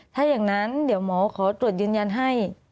ถ้าอย่างนั้นเดี๋ยวหมอขอตรวจยืนยันให้